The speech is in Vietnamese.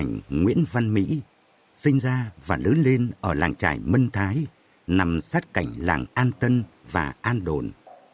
nghệ sĩ nhấp ảnh nguyễn văn mỹ sinh ra và lớn lên ở làng trại mân thái nằm sát cạnh làng an tân và an đồn